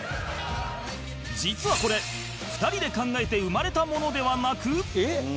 実はこれ２人で考えて生まれたものではなく